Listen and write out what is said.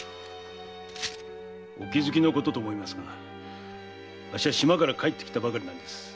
お気づきのことと思いますがあっしは島から帰ってきたばかりなんです。